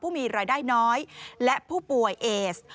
มีรายได้น้อยและผู้ป่วยเอส